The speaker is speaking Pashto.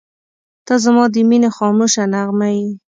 • ته زما د مینې خاموشه نغمه یې.